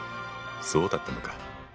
そうだったのか。